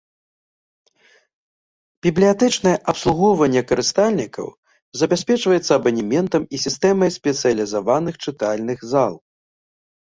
Бібліятэчнае абслугоўванне карыстальнікаў забяспечваецца абанементам і сістэмай спецыялізаваных чытальных зал.